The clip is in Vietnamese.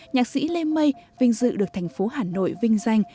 nhạc sĩ lê mây vinh dự được thành phố hà nội vinh danh